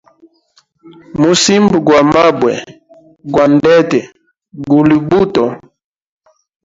Musimbo gwa mabwe, gwa ndete guli buto.